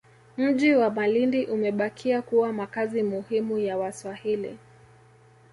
Mji wa Malindi Umebakia kuwa makazi muhimu ya Waswahili